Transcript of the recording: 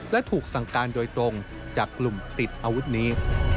และถูกสั่งการโดยตรงจากกลุ่มติดอาวุธนี้